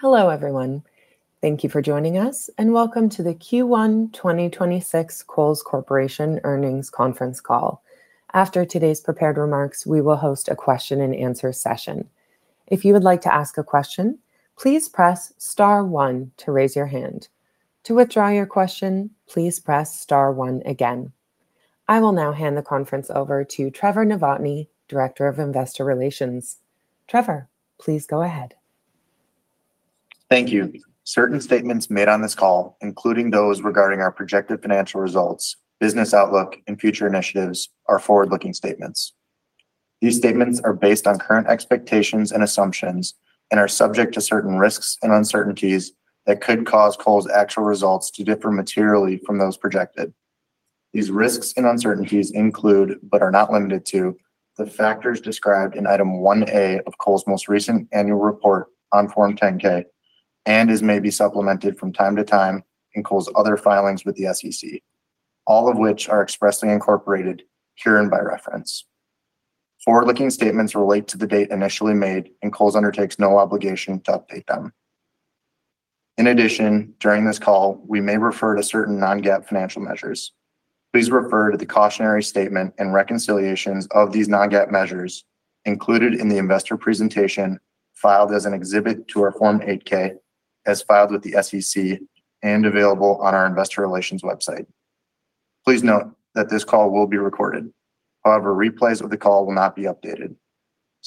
Hello, everyone. Thank you for joining us, and welcome to the Q1 2026 Kohl's Corporation Earnings Conference Call. After today's prepared remarks, we will host a question-and-answer session. If you would like to ask a question, please press *1 to raise your hand. To withdraw your question, please press *1 again. I will now hand the conference over to Trevor Novotny, Director of Investor Relations. Trevor, please go ahead. Thank you. Certain statements made on this call, including those regarding our projected financial results, business outlook, and future initiatives, are forward-looking statements. These statements are based on current expectations and assumptions and are subject to certain risks and uncertainties that could cause Kohl's actual results to differ materially from those projected. These risks and uncertainties include, but are not limited to, the factors described in Item 1A of Kohl's most recent annual report on Form 10-K, and as may be supplemented from time to time in Kohl's other filings with the SEC, all of which are expressly incorporated herein by reference. Forward-looking statements relate to the date initially made. Kohl's undertakes no obligation to update them. In addition, during this call, we may refer to certain non-GAAP financial measures. Please refer to the cautionary statement and reconciliations of these non-GAAP measures included in the investor presentation, filed as an exhibit to our Form 8-K as filed with the SEC and available on our investor relations website. Please note that this call will be recorded. However, replays of the call will not be updated.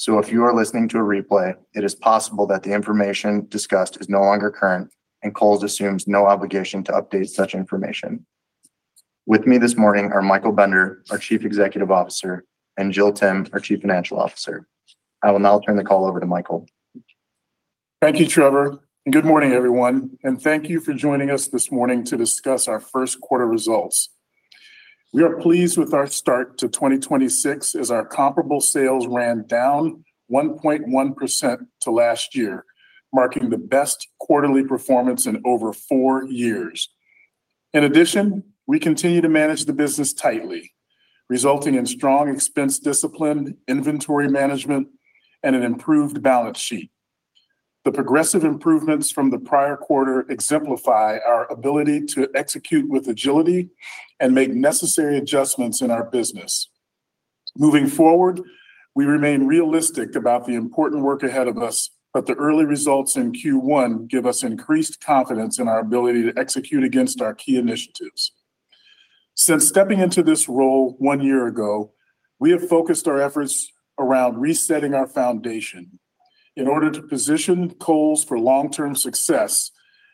If you are listening to a replay, it is possible that the information discussed is no longer current, and Kohl's assumes no obligation to update such information. With me this morning are Michael Bender, our Chief Executive Officer, and Jill Timm, our Chief Financial Officer. I will now turn the call over to Michael. Thank you, Trevor. Good morning, everyone, and thank you for joining us this morning to discuss our Q1 results. We are pleased with our start to 2026, as our comparable sales ran down 1.1% to last year, marking the best quarterly performance in over four years. In addition, we continue to manage the business tightly, resulting in strong expense discipline, inventory management, and an improved balance sheet. The progressive improvements from the prior quarter exemplify our ability to execute with agility and make necessary adjustments in our business. Moving forward, we remain realistic about the important work ahead of us, but the early results in Q1 give us increased confidence in our ability to execute against our key initiatives. Since stepping into this role one year ago, we have focused our efforts around resetting our foundation. In order to position Kohl's for long-term success,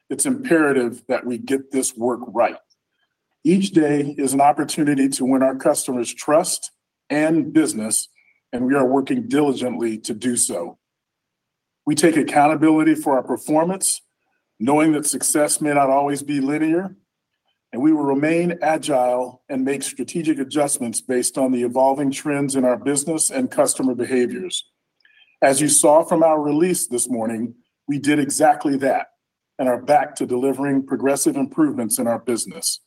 it's imperative that we get this work right. Each day is an opportunity to win our customers' trust and business, and we are working diligently to do so. We take accountability for our performance, knowing that success may not always be linear, and we will remain agile and make strategic adjustments based on the evolving trends in our business and customer behaviors. As you saw from our release this morning, we did exactly that and are back to delivering progressive improvements in our business.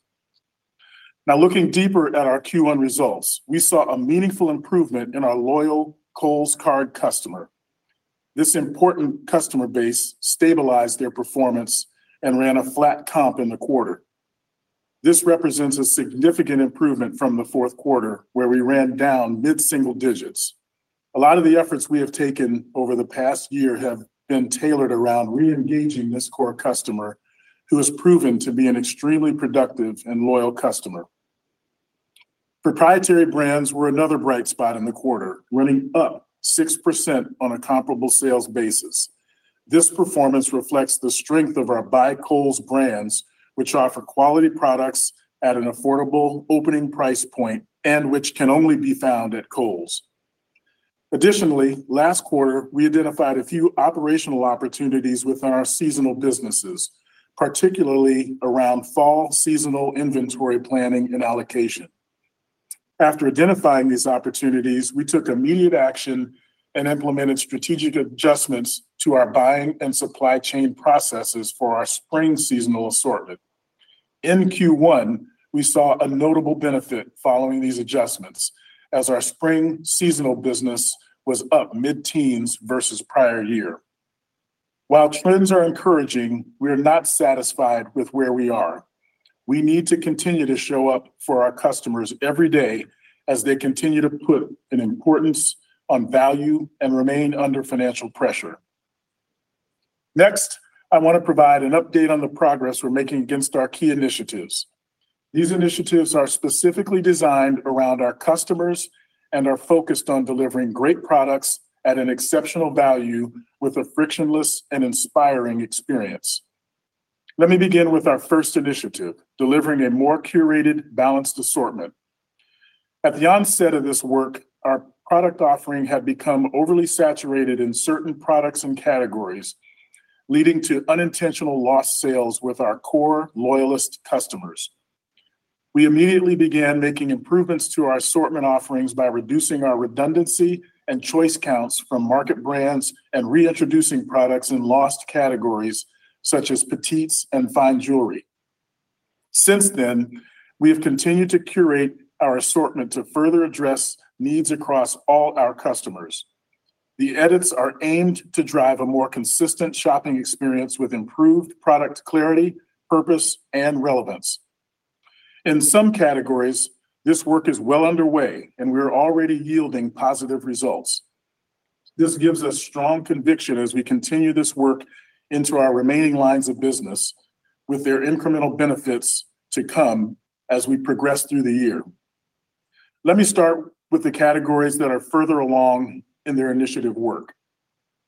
Looking deeper at our Q1 results, we saw a meaningful improvement in our loyal Kohl's Card customer. This important customer base stabilized their performance and ran a flat comp in the quarter. This represents a significant improvement from the Q4, where we ran down mid-single digits. A lot of the efforts we have taken over the past year have been tailored around re-engaging this core customer, who has proven to be an extremely productive and loyal customer. Proprietary brands were another bright spot in the quarter, running up 6% on a comparable sales basis. This performance reflects the strength of our By Kohl's brands, which offer quality products at an affordable opening price point and which can only be found at Kohl's. Additionally, last quarter, we identified a few operational opportunities within our seasonal businesses, particularly around fall seasonal inventory planning and allocation. After identifying these opportunities, we took immediate action and implemented strategic adjustments to our buying and supply chain processes for our spring seasonal assortment. In Q1, we saw a notable benefit following these adjustments as our spring seasonal business was up mid-teens versus prior year. While trends are encouraging, we are not satisfied with where we are. We need to continue to show up for our customers every day as they continue to put an importance on value and remain under financial pressure. I want to provide an update on the progress we're making against our key initiatives. These initiatives are specifically designed around our customers and are focused on delivering great products at an exceptional value with a frictionless and inspiring experience. Let me begin with our first initiative, delivering a more curated, balanced assortment. At the onset of this work, our product offering had become overly saturated in certain products and categories, leading to unintentional lost sales with our core loyalist customers. We immediately began making improvements to our assortment offerings by reducing our redundancy and choice counts from market brands and reintroducing products in lost categories, such as petites and fine jewelry. Since then, we have continued to curate our assortment to further address needs across all our customers. The edits are aimed to drive a more consistent shopping experience with improved product clarity, purpose, and relevance. In some categories, this work is well underway, and we are already yielding positive results. This gives us strong conviction as we continue this work into our remaining lines of business, with their incremental benefits to come as we progress through the year. Let me start with the categories that are further along in their initiative work.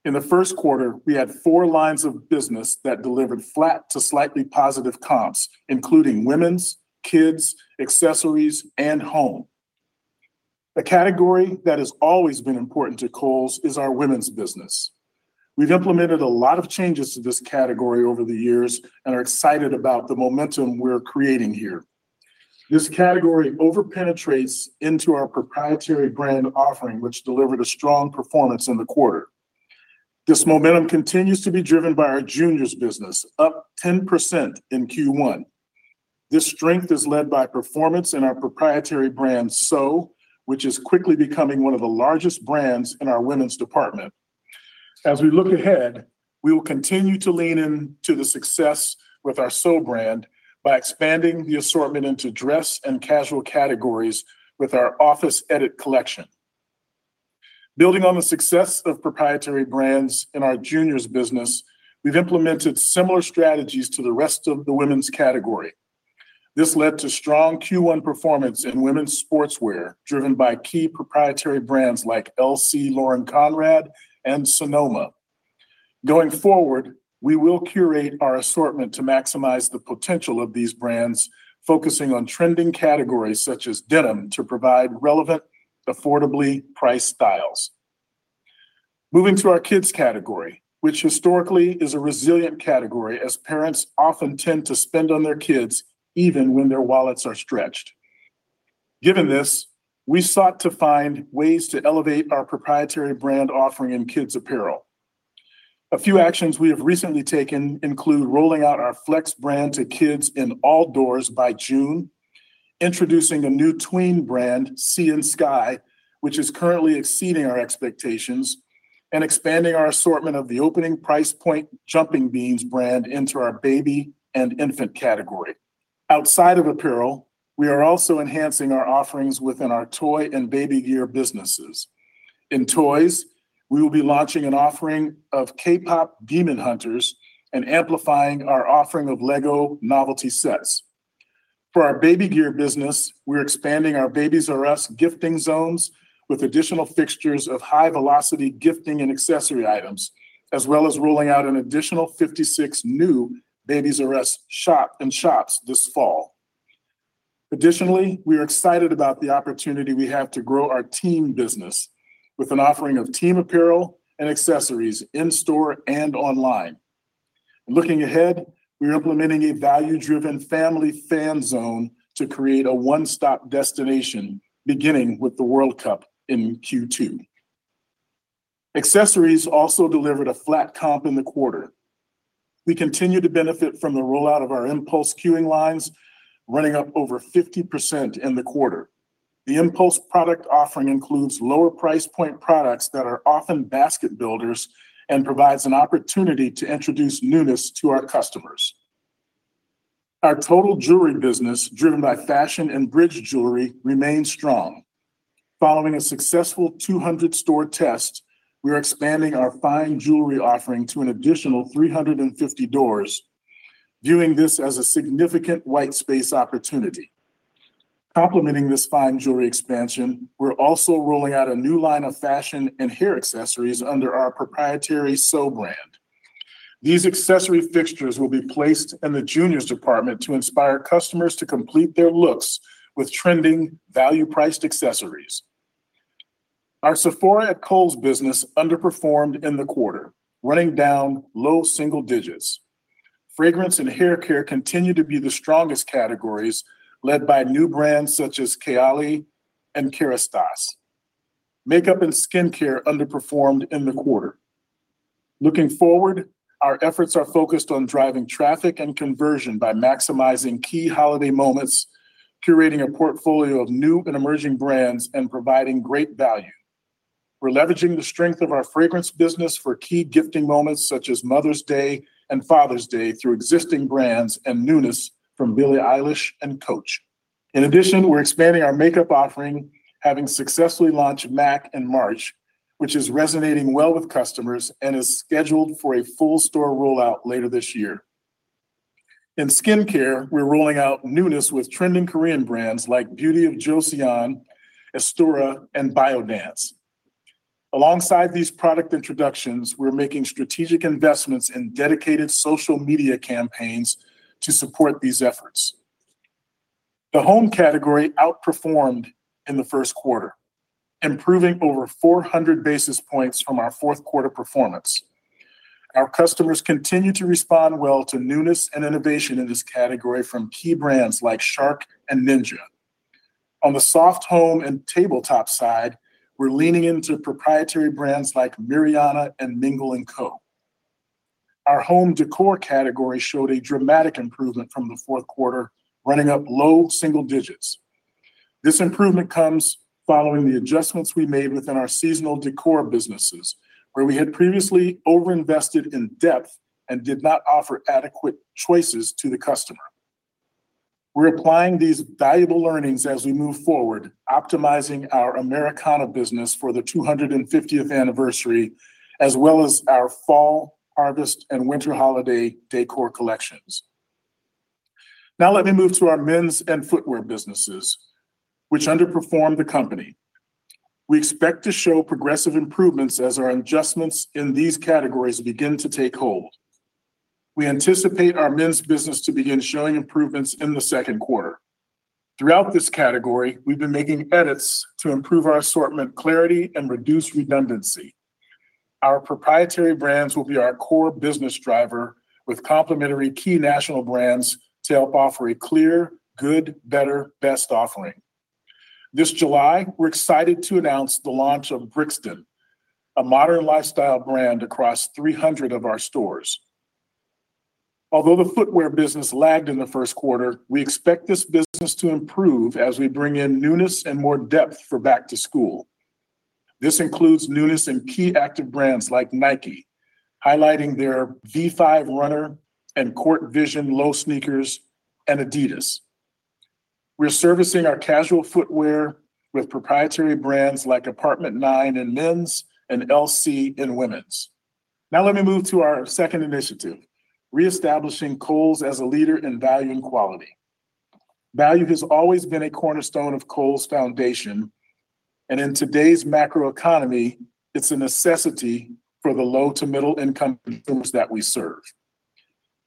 In the Q1, we had four lines of business that delivered flat to slightly positive comps, including women's, kids, accessories, and home. A category that has always been important to Kohl's is our women's business. We've implemented a lot of changes to this category over the years and are excited about the momentum we're creating here. This category over-penetrates into our proprietary brand offering, which delivered a strong performance in the quarter. This momentum continues to be driven by our juniors business, up 10% in Q1. This strength is led by performance in our proprietary brand, SO, which is quickly becoming one of the largest brands in our women's department. As we look ahead, we will continue to lean into the success with our SO brand by expanding the assortment into dress and casual categories with our Office Edit collection. Building on the success of proprietary brands in our juniors business, we've implemented similar strategies to the rest of the women's category. This led to strong Q1 performance in women's sportswear, driven by key proprietary brands like LC Lauren Conrad and Sonoma. Going forward, we will curate our assortment to maximize the potential of these brands, focusing on trending categories such as denim, to provide relevant, affordably priced styles. Moving to our kids category, which historically is a resilient category, as parents often tend to spend on their kids even when their wallets are stretched. Given this, we sought to find ways to elevate our proprietary brand offering in kids apparel. A few actions we have recently taken include rolling out our FLX brand to kids in all doors by June, introducing a new tween brand, Sea + Skye, which is currently exceeding our expectations, and expanding our assortment of the opening price point Jumping Beans brand into our baby and infant category. Outside of apparel, we are also enhancing our offerings within our toy and baby gear businesses. In toys, we will be launching an offering of K-Pop Demon Hunters and amplifying our offering of LEGO novelty sets. For our baby gear business, we're expanding our Babies R Us gifting zones with additional fixtures of high-velocity gifting and accessory items, as well as rolling out an additional 56 new Babies R Us Shop in Shops this fall. We are excited about the opportunity we have to grow our team business with an offering of team apparel and accessories in-store and online. Looking ahead, we are implementing a value-driven family fan zone to create a one-stop destination, beginning with the World Cup in Q2. Accessories also delivered a flat comp in the quarter. We continue to benefit from the rollout of our impulse queuing lines, running up over 50% in the quarter. The impulse product offering includes lower price point products that are often basket builders and provides an opportunity to introduce newness to our customers. Our total jewelry business, driven by fashion and bridge jewelry, remains strong. Following a successful 200-store test, we are expanding our fine jewelry offering to an additional 350 doors, viewing this as a significant white space opportunity. Complementing this fine jewelry expansion, we're also rolling out a new line of fashion and hair accessories under our proprietary SO brand. These accessory fixtures will be placed in the juniors department to inspire customers to complete their looks with trending value-priced accessories. Our Sephora at Kohl's business underperformed in the quarter, running down low single digits. Fragrance and haircare continue to be the strongest categories, led by new brands such as KAYALI and Kérastase. Makeup and skincare underperformed in the quarter. Looking forward, our efforts are focused on driving traffic and conversion by maximizing key holiday moments, curating a portfolio of new and emerging brands, and providing great value. We're leveraging the strength of our fragrance business for key gifting moments such as Mother's Day and Father's Day through existing brands and newness from Billie Eilish and Coach. In addition, we're expanding our makeup offering, having successfully launched M·A·C in March, which is resonating well with customers and is scheduled for a full store rollout later this year. In skincare, we're rolling out newness with trending Korean brands like Beauty of Joseon, Aestura, and Biodance. Alongside these product introductions, we're making strategic investments in dedicated social media campaigns to support these efforts. The home category outperformed in the Q1, improving over 400 basis points from our Q4 performance. Our customers continue to respond well to newness and innovation in this category from key brands like Shark and Ninja. On the soft home and tabletop side, we're leaning into proprietary brands like Miryana and Mingle & Co. Our home decor category showed a dramatic improvement from the Q4, running up low single digits. This improvement comes following the adjustments we made within our seasonal decor businesses, where we had previously over-invested in depth and did not offer adequate choices to the customer. We're applying these valuable learnings as we move forward, optimizing our Americana business for the 250th anniversary, as well as our fall, harvest, and winter holiday decor collections. Let me move to our men's and footwear businesses, which underperformed the company. We expect to show progressive improvements as our adjustments in these categories begin to take hold. We anticipate our men's business to begin showing improvements in the Q2. Throughout this category, we've been making edits to improve our assortment clarity and reduce redundancy. Our proprietary brands will be our core business driver, with complementary key national brands to help offer a clear, good, better, best offering. This July, we're excited to announce the launch of Brixton, a modern lifestyle brand across 300 of our stores. Although the footwear business lagged in the Q1, we expect this business to improve as we bring in newness and more depth for back to school. This includes newness in key active brands like Nike, highlighting their V2K Run and Court Vision Low sneakers, and Adidas. We're servicing our casual footwear with proprietary brands like Apt. 9 in men's and LC in women's. Let me move to our second initiative, reestablishing Kohl's as a leader in value and quality. Value has always been a cornerstone of Kohl's foundation, and in today's macroeconomy, it's a necessity for the low to middle income consumers that we serve.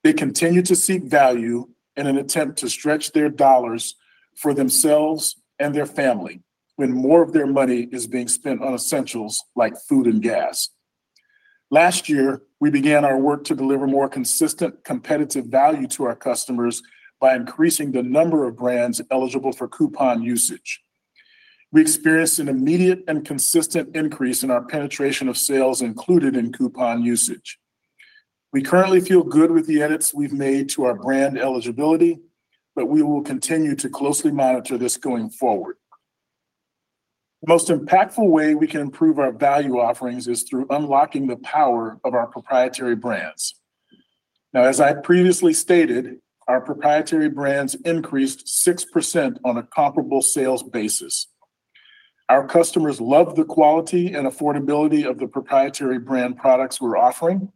They continue to seek value in an attempt to stretch their dollars for themselves and their family when more of their money is being spent on essentials like food and gas. Last year, we began our work to deliver more consistent competitive value to our customers by increasing the number of brands eligible for coupon usage. We experienced an immediate and consistent increase in our penetration of sales included in coupon usage. We currently feel good with the edits we've made to our brand eligibility, but we will continue to closely monitor this going forward. The most impactful way we can improve our value offerings is through unlocking the power of our proprietary brands. Now, as I previously stated, our proprietary brands increased 6% on a comparable sales basis. Our customers love the quality and affordability of the proprietary brand products we're offering,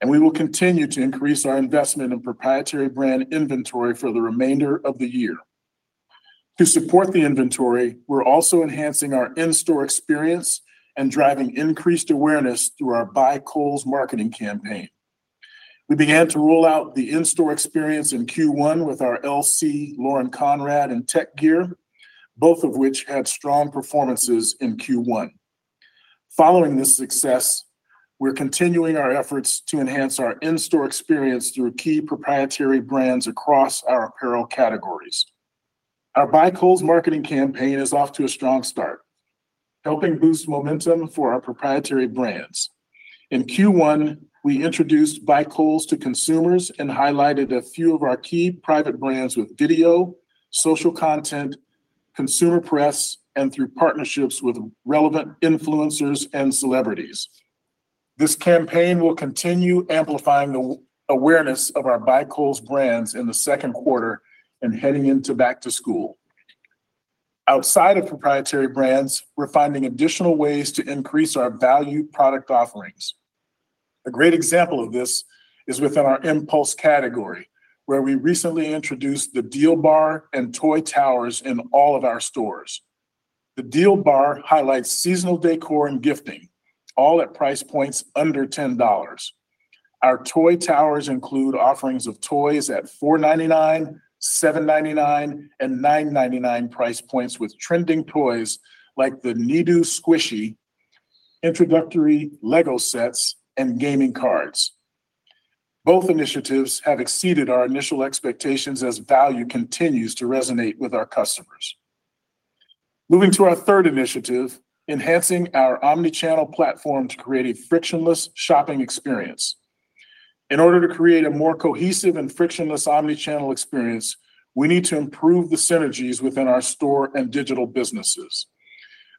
and we will continue to increase our investment in proprietary brand inventory for the remainder of the year. To support the inventory, we're also enhancing our in-store experience and driving increased awareness through our By Kohl's marketing campaign. We began to roll out the in-store experience in Q1 with our LC Lauren Conrad and Tek Gear, both of which had strong performances in Q1. Following this success, we're continuing our efforts to enhance our in-store experience through key proprietary brands across our apparel categories. Our By Kohl's marketing campaign is off to a strong start, helping boost momentum for our proprietary brands. In Q1, we introduced By Kohl's to consumers and highlighted a few of our key private brands with video, social content, consumer press, and through partnerships with relevant influencers and celebrities. This campaign will continue amplifying the awareness of our By Kohl's brands in the Q2 and heading into back to school. Outside of proprietary brands, we're finding additional ways to increase our value product offerings. A great example of this is within our impulse category, where we recently introduced the Deal Bar and Toy Towers in all of our stores. The Deal Bar highlights seasonal decor and gifting, all at price points under $10. Our Toy Towers include offerings of toys at $4.99, $7.99, and $9.99 price points, with trending toys like the NeeDoh Squishy, introductory LEGO sets, and gaming cards. Both initiatives have exceeded our initial expectations as value continues to resonate with our customers. Moving to our third initiative, enhancing our omnichannel platform to create a frictionless shopping experience. In order to create a more cohesive and frictionless omnichannel experience, we need to improve the synergies within our store and digital businesses.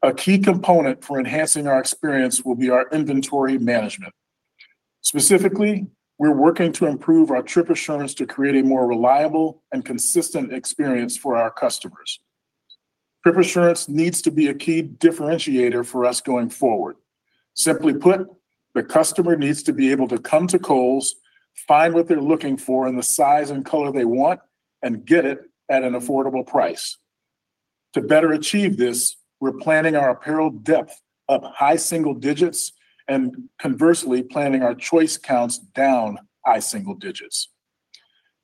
A key component for enhancing our experience will be our inventory management. Specifically, we're working to improve our trip assurance to create a more reliable and consistent experience for our customers. Trip assurance needs to be a key differentiator for us going forward. Simply put, the customer needs to be able to come to Kohl's, find what they're looking for in the size and color they want, and get it at an affordable price. To better achieve this, we're planning our apparel depth up high single digits and conversely planning our choice counts down high single digits.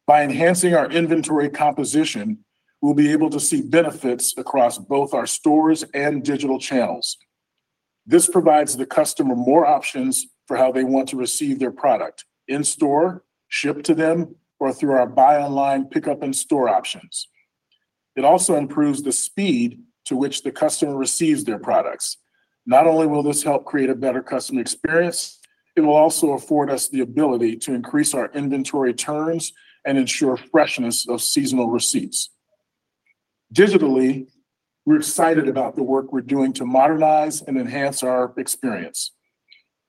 By enhancing our inventory composition, we'll be able to see benefits across both our stores and digital channels. This provides the customer more options for how they want to receive their product, in-store, shipped to them, or through our buy online pickup in-store options. It also improves the speed to which the customer receives their products. Not only will this help create a better customer experience, it will also afford us the ability to increase our inventory turns and ensure freshness of seasonal receipts. Digitally, we're excited about the work we're doing to modernize and enhance our experience.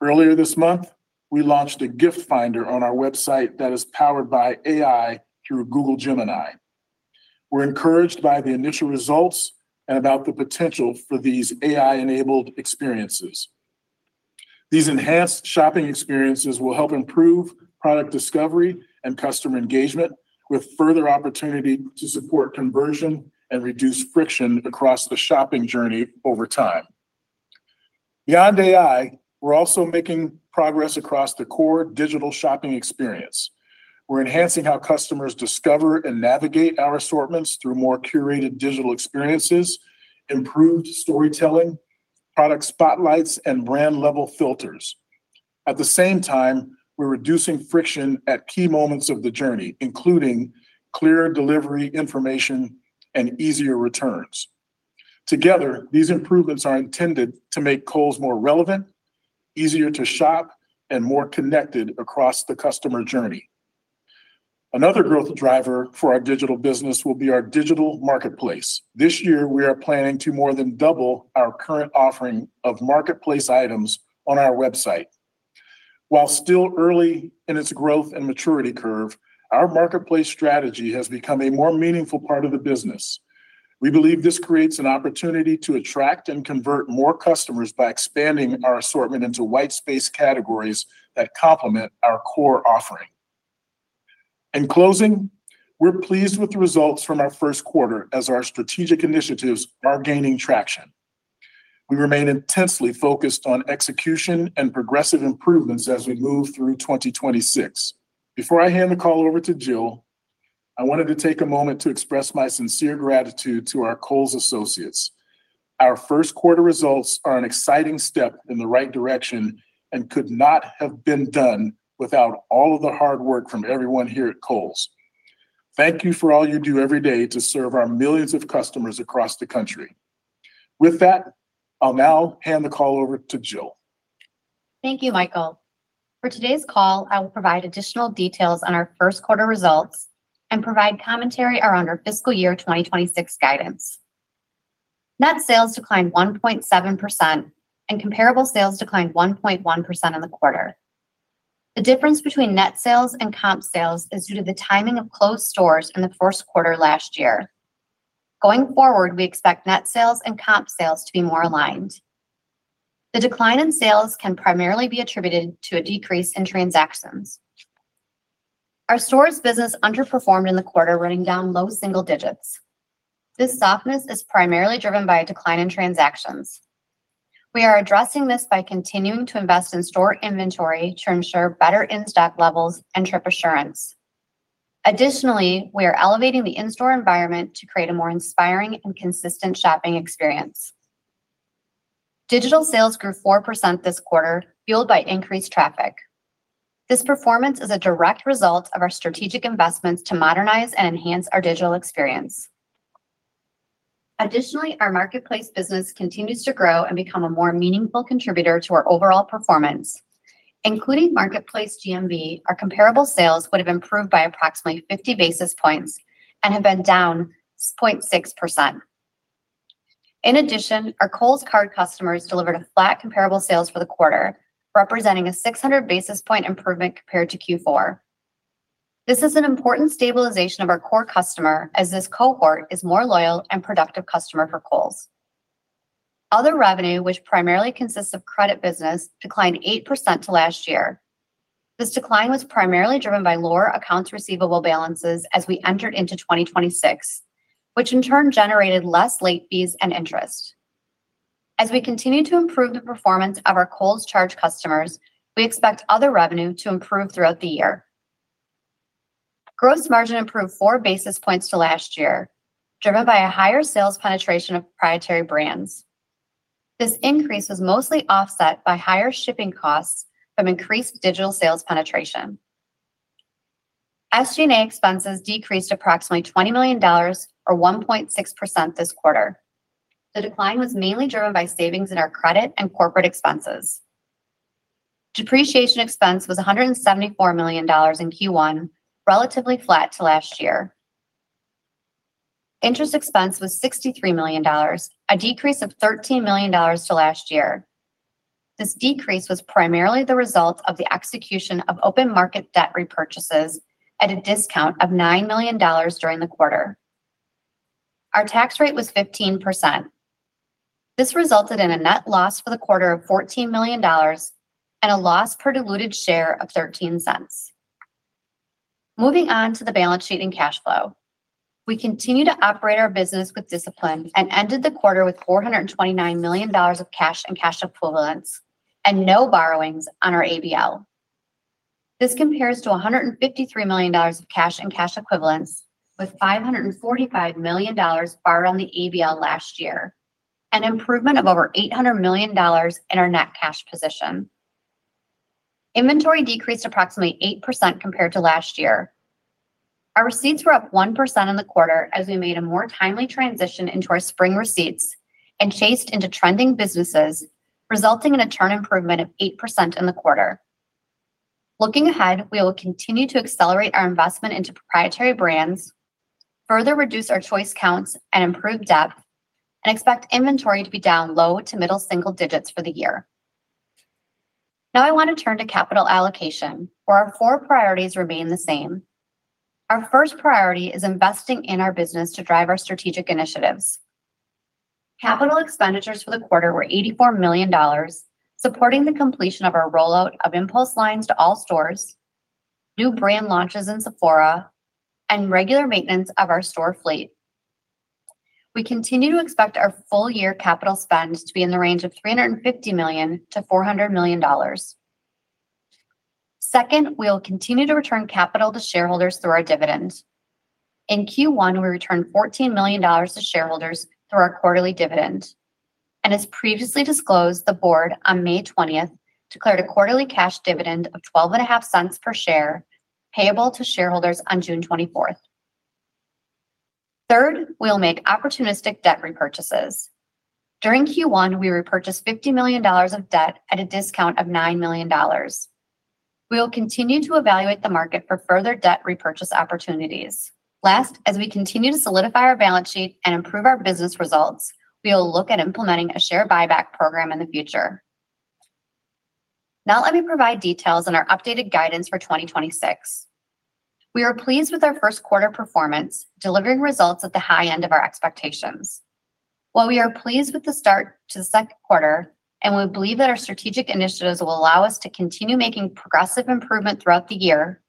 Earlier this month, we launched a gift finder on our website that is powered by AI through Google Gemini. We're encouraged by the initial results and about the potential for these AI-enabled experiences. These enhanced shopping experiences will help improve product discovery and customer engagement, with further opportunity to support conversion and reduce friction across the shopping journey over time. Beyond AI, we're also making progress across the core digital shopping experience. We're enhancing how customers discover and navigate our assortments through more curated digital experiences, improved storytelling, product spotlights, and brand-level filters. At the same time, we're reducing friction at key moments of the journey, including clear delivery information and easier returns. Together, these improvements are intended to make Kohl's more relevant, easier to shop, and more connected across the customer journey. Another growth driver for our digital business will be our digital marketplace. This year, we are planning to more than double our current offering of marketplace items on our website. While still early in its growth and maturity curve, our marketplace strategy has become a more meaningful part of the business. We believe this creates an opportunity to attract and convert more customers by expanding our assortment into white space categories that complement our core offering. In closing, we're pleased with the results from our Q1 as our strategic initiatives are gaining traction. We remain intensely focused on execution and progressive improvements as we move through 2026. Before I hand the call over to Jill, I wanted to take a moment to express my sincere gratitude to our Kohl's Associates. Our Q1 results are an exciting step in the right direction and could not have been done without all of the hard work from everyone here at Kohl's. Thank you for all you do every day to serve our millions of customers across the country. With that, I'll now hand the call over to Jill. Thank you, Michael. For today's call, I will provide additional details on our Q1 results and provide commentary around our fiscal year 2026 guidance. Net sales declined 1.7%, and comparable sales declined 1.1% in the quarter. The difference between net sales and comp sales is due to the timing of closed stores in the Q1 last year. Going forward, we expect net sales and comp sales to be more aligned. The decline in sales can primarily be attributed to a decrease in transactions. Our stores business underperformed in the quarter, running down low single digits. This softness is primarily driven by a decline in transactions. We are addressing this by continuing to invest in store inventory to ensure better in-stock levels and trip assurance. Additionally, we are elevating the in-store environment to create a more inspiring and consistent shopping experience. Digital sales grew 4% this quarter, fueled by increased traffic. This performance is a direct result of our strategic investments to modernize and enhance our digital experience. Our marketplace business continues to grow and become a more meaningful contributor to our overall performance. Including marketplace GMV, our comparable sales would have improved by approximately 50 basis points and have been down 0.6%. Our Kohl's Card customers delivered a flat comparable sales for the quarter, representing a 600 basis point improvement compared to Q4. This is an important stabilization of our core customer as this cohort is more loyal and productive customer for Kohl's. Other revenue, which primarily consists of credit business, declined 8% to last year. This decline was primarily driven by lower accounts receivable balances as we entered into 2026, which in turn generated less late fees and interest. As we continue to improve the performance of the Kohl's Card customers, we expect other revenue to improve throughout the year. Gross margin improved four basis points to last year, driven by a higher sales penetration of proprietary brands. This increase was mostly offset by higher shipping costs from increased digital sales penetration. SG&A expenses decreased approximately $20 million, or 1.6%, this quarter. The decline was mainly driven by savings in our credit and corporate expenses. Depreciation expense was $174 million in Q1, relatively flat to last year. Interest expense was $63 million, a decrease of $13 million to last year. This decrease was primarily the result of the execution of open market debt repurchases at a discount of $9 million during the quarter. Our tax rate was 15%. This resulted in a net loss for the quarter of $14 million and a loss per diluted share of $0.13. Moving on to the balance sheet and cash flow. We continue to operate our business with discipline and ended the quarter with $429 million of cash and cash equivalents and no borrowings on our ABL. This compares to $153 million of cash and cash equivalents with $545 million borrowed on the ABL last year, an improvement of over $800 million in our net cash position. Inventory decreased approximately 8% compared to last year. Our receipts were up 1% in the quarter as we made a more timely transition into our spring receipts and chased into trending businesses, resulting in a turn improvement of 8% in the quarter. Looking ahead, we will continue to accelerate our investment into proprietary brands, further reduce our choice counts and improve depth, and expect inventory to be down low to middle single digits for the year. Now I want to turn to capital allocation, where our four priorities remain the same. Our first priority is investing in our business to drive our strategic initiatives. CapEx for the quarter were $84 million, supporting the completion of our rollout of impulse lines to all stores, new brand launches in Sephora, and regular maintenance of our store fleet. We continue to expect our full year capital spend to be in the range of $350 million-$400 million. Second, we will continue to return capital to shareholders through our dividends. In Q1, we returned $14 million to shareholders through our quarterly dividend. As previously disclosed, the board on May 20th declared a quarterly cash dividend of $0.125 per share, payable to shareholders on June 24th. Third, we'll make opportunistic debt repurchases. During Q1, we repurchased $50 million of debt at a discount of $9 million. We will continue to evaluate the market for further debt repurchase opportunities. Last, as we continue to solidify our balance sheet and improve our business results, we will look at implementing a share buyback program in the future. Now let me provide details on our updated guidance for 2026. We are pleased with our Q1 performance, delivering results at the high end of our expectations. While we are pleased with the start to the Q2, and we believe that our strategic initiatives will allow us to continue making progressive improvement throughout the year,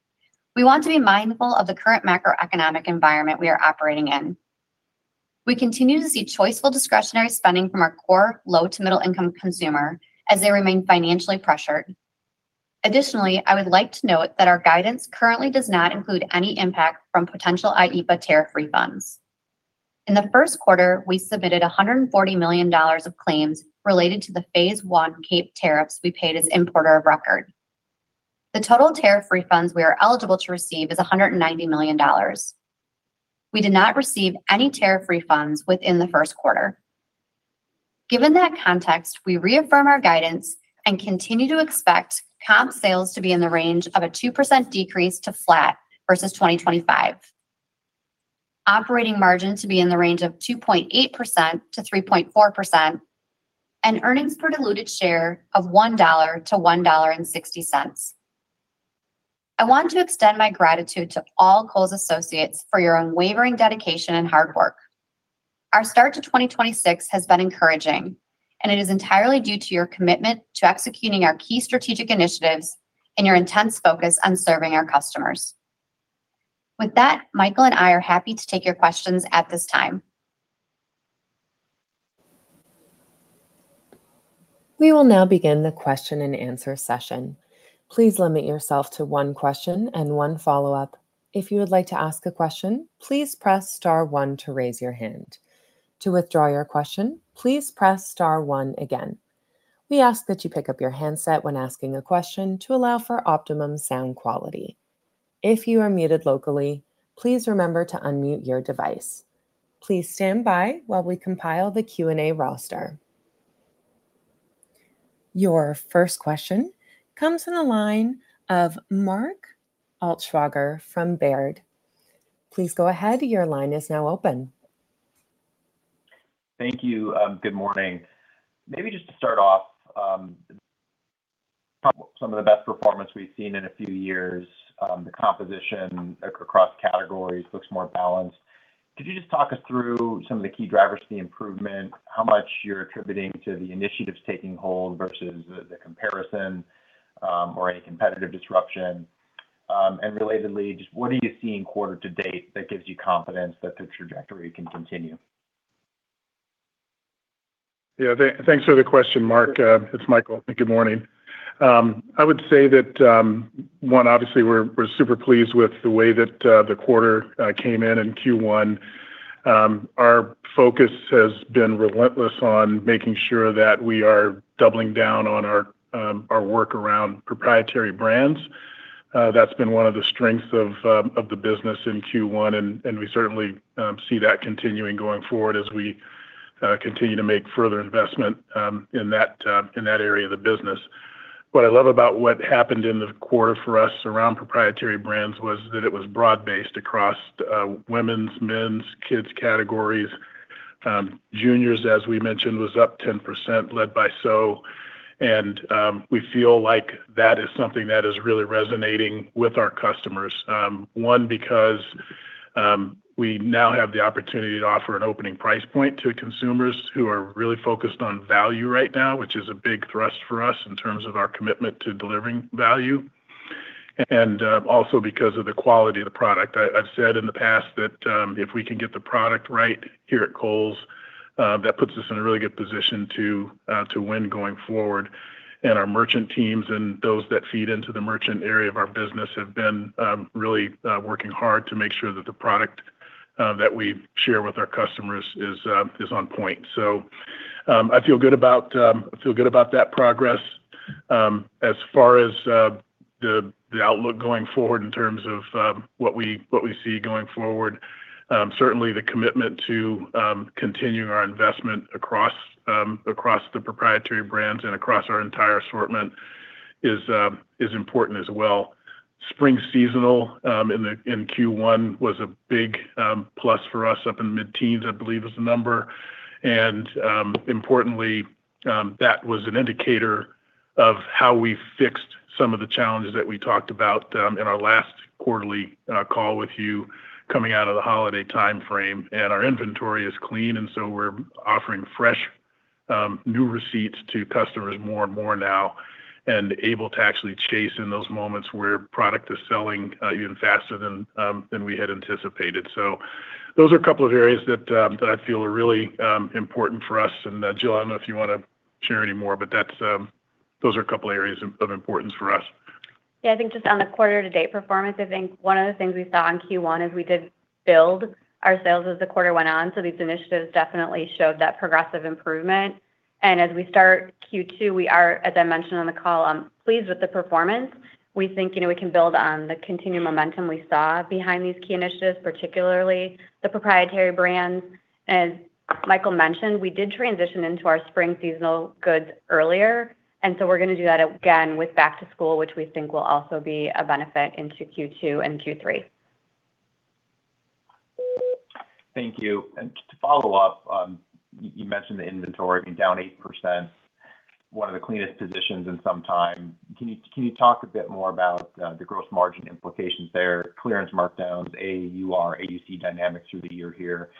we want to be mindful of the current macroeconomic environment we are operating in. We continue to see choiceful discretionary spending from our core low to middle income consumer as they remain financially pressured. Additionally, I would like to note that our guidance currently does not include any impact from potential IEEPA tariff refunds. In the Q1, we submitted $140 million of claims related to the Phase 1 CAPE tariffs we paid as importer of record. The total tariff refunds we are eligible to receive is $190 million. We did not receive any tariff refunds within the Q1. Given that context, we reaffirm our guidance and continue to expect comp sales to be in the range of a 2% decrease to flat versus 2025. Operating margin to be in the range of 2.8%-3.4%, and earnings per diluted share of $1-$1.60. I want to extend my gratitude to all Kohl's associates for your unwavering dedication and hard work. Our start to 2026 has been encouraging, and it is entirely due to your commitment to executing our key strategic initiatives and your intense focus on serving our customers. With that, Michael and I are happy to take your questions at this time. We will now begin the question-and-answer session. Please limit yourself to one question and one follow-up. If you would like to ask a question, please press *1 to raise your hand. To withdraw your question, please press *1 again. We ask that you pick up your handset when asking a question to allow for optimum sound quality. If you are muted locally, please remember to unmute your device. Please stand by while we compile the Q&A roster. Your first question comes from the line of Mark Altschwager from Baird. Please go ahead. Your line is now open. Thank you. Good morning. Maybe just to start off, some of the best performance we've seen in a few years. The composition across categories looks more balanced. Could you just talk us through some of the key drivers to the improvement, how much you're attributing to the initiatives taking hold versus the comparison, or any competitive disruption? Relatedly, just what are you seeing quarter to date that gives you confidence that the trajectory can continue? Yeah, thanks for the question, Mark. It's Michael. Good morning. I would say that, one, obviously we're super pleased with the way that the quarter came in in Q1. Our focus has been relentless on making sure that we are doubling down on our work around proprietary brands. That's been one of the strengths of the business in Q1, and we certainly see that continuing going forward as we continue to make further investment in that area of the business. What I love about what happened in the quarter for us around proprietary brands was that it was broad-based across women's, men's, kids categories. Juniors, as we mentioned, was up 10%, led by SO, and we feel like that is something that is really resonating with our customers. Because we now have the opportunity to offer an opening price point to consumers who are really focused on value right now, which is a big thrust for us in terms of our commitment to delivering value, and also because of the quality of the product. I've said in the past that if we can get the product right here at Kohl's. That puts us in a really good position to win going forward. Our merchant teams and those that feed into the merchant area of our business have been really working hard to make sure that the product that we share with our customers is on point. I feel good about that progress. As far as the outlook going forward in terms of what we see going forward, certainly the commitment to continuing our investment across the proprietary brands and across our entire assortment is important as well. Spring seasonal in Q1 was a big plus for us, up in the mid-teens, I believe was the number. Importantly, that was an indicator of how we fixed some of the challenges that we talked about in our last quarterly call with you coming out of the holiday timeframe. Our inventory is clean, and so we're offering fresh, new receipts to customers more and more now and able to actually chase in those moments where product is selling even faster than we had anticipated. Those are a couple of areas that I feel are really important for us. Jill, I don't know if you want to share any more, but those are a couple of areas of importance for us. Yeah, I think just on the quarter to date performance, I think one of the things we saw in Q1 is we did build our sales as the quarter went on. These initiatives definitely showed that progressive improvement. As we start Q2, we are, as I mentioned on the call, pleased with the performance. We think we can build on the continued momentum we saw behind these key initiatives, particularly the proprietary brands. As Michael mentioned, we did transition into our spring seasonal goods earlier. We're going to do that again with back to school, which we think will also be a benefit into Q2 and Q3. Thank you. Just to follow up, you mentioned the inventory being down 8%, one of the cleanest positions in some time. Can you talk a bit more about the gross margin implications there, clearance markdowns, AUR, AUC dynamics through the year here,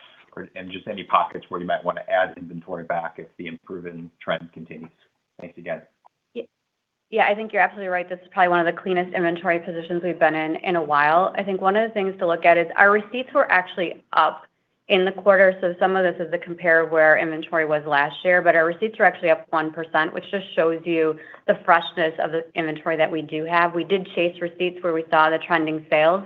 and just any pockets where you might want to add inventory back if the improving trend continues? Thanks again. Yeah, I think you're absolutely right. This is probably one of the cleanest inventory positions we've been in in a while. I think one of the things to look at is our receipts were actually up in the quarter, so some of this is the compare of where our inventory was last year. Our receipts were actually up 1%, which just shows you the freshness of the inventory that we do have. We did chase receipts where we saw the trending sales.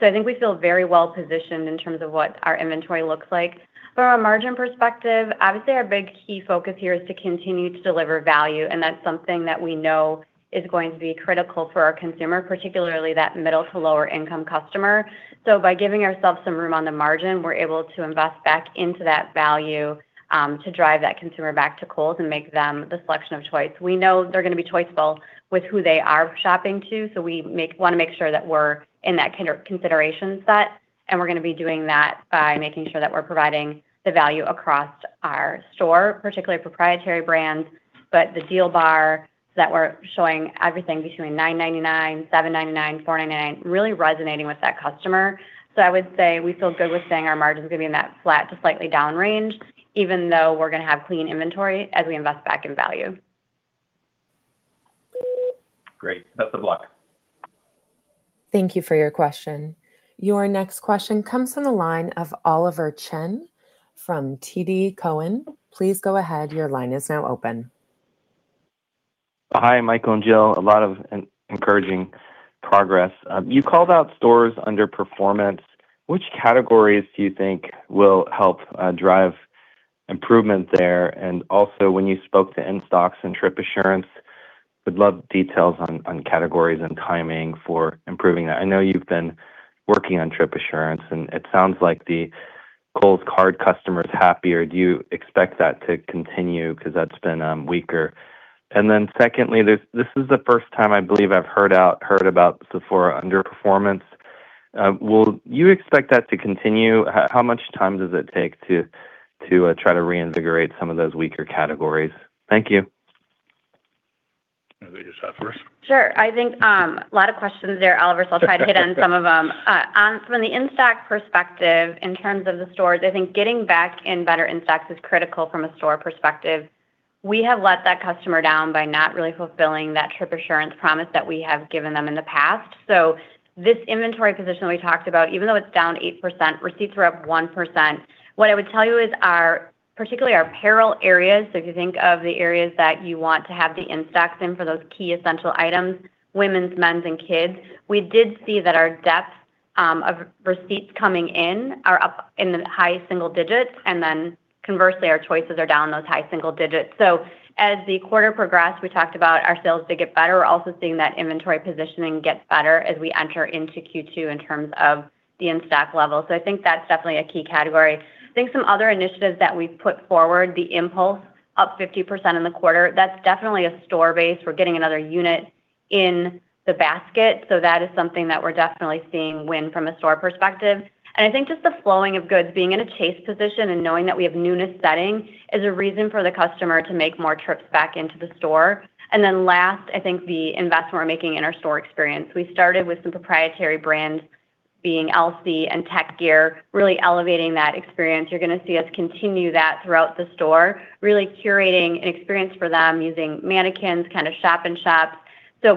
I think we feel very well positioned in terms of what our inventory looks like. From a margin perspective, obviously our big key focus here is to continue to deliver value, and that's something that we know is going to be critical for our consumer, particularly that middle to lower income customer. By giving ourselves some room on the margin, we're able to invest back into that value to drive that consumer back to Kohl's and make them the selection of choice. We know they're going to be choiceful with who they are shopping to, so we want to make sure that we're in that consideration set, and we're going to be doing that by making sure that we're providing the value across our store, particularly proprietary brands. The Deal Bar that we're showing everything between $9.99, $7.99, $4.99 really resonating with that customer. I would say we feel good with saying our margins are going to be in that flat to slightly down range, even though we're going to have clean inventory as we invest back in value. Great. Best of luck. Thank you for your question. Your next question comes from the line of Oliver Chen from TD Cowen. Please go ahead, your line is now open. Hi, Michael and Jill. A lot of encouraging progress. You called out stores underperformance. Which categories do you think will help drive improvement there? When you spoke to in-stocks and Trip Assurance, would love details on categories and timing for improving that. I know you've been working on Trip Assurance, and it sounds like the Kohl's Card customer is happier. Do you expect that to continue because that's been weaker? Secondly, this is the first time I believe I've heard about Sephora underperformance. Will you expect that to continue? How much time does it take to try to reinvigorate some of those weaker categories? Thank you. You want to take a shot first? Sure. I think a lot of questions there, Oliver, so I'll try to hit on some of them. From the in-stock perspective, in terms of the stores, I think getting back in better in-stocks is critical from a store perspective. We have let that customer down by not really fulfilling that Trip Assurance promise that we have given them in the past. This inventory position we talked about, even though it's down 8%, receipts were up 1%. What I would tell you is particularly our apparel areas, so if you think of the areas that you want to have the in-stocks in for those key essential items, women's, men's, and kids, we did see that our depth of receipts coming in are up in the high single digits. Conversely, our choices are down those high single digits. As the quarter progressed, we talked about our sales did get better. We're also seeing that inventory positioning get better as we enter into Q2 in terms of the in-stock level. I think that's definitely a key category. I think some other initiatives that we've put forward, the impulse up 50% in the quarter. That's definitely a store base. We're getting another unit in the basket. That is something that we're definitely seeing win from a store perspective. I think just the flowing of goods, being in a chase position and knowing that we have newness setting is a reason for the customer to make more trips back into the store. Then last, I think the investment we're making in our store experience. We started with some proprietary brands being LC and Tek Gear, really elevating that experience. You're going to see us continue that throughout the store, really curating an experience for them using mannequins, kind of shop in shop.